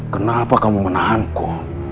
kenapa kamu menahanku